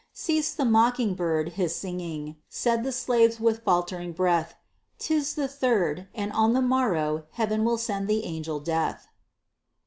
Ceased the mocking bird his singing; said the slaves with faltering breath, "'Tis the Third, and on the morrow Heaven will send the Angel Death."